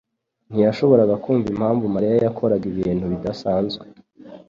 ntiyashoboraga kumva impamvu Mariya yakoraga ibintu bidasanzwe.